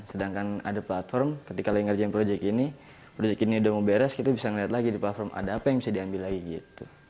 sedangkan ada platform ketika lagi ngerjain proyek ini project ini udah mau beres kita bisa ngeliat lagi di platform ada apa yang bisa diambil lagi gitu